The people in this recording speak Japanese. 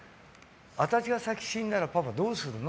私が先に死んだらパパどうするの？